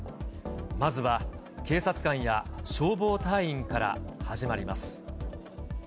まずは警察官や消防隊員から始まります。